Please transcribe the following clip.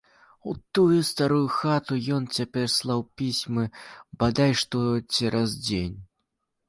У тую старую хату ён цяпер слаў пісьмы бадай што цераз дзень.